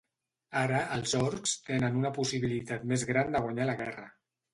Ara, els Orcs tenen una possibilitat més gran de guanyar la guerra.